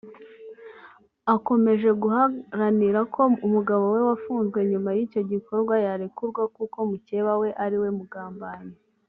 akomeje guharanira ko umugabo we wafunzwe nyuma y’icyo gikorwa yarekurwa kuko mukeba we ariwe mugambanyi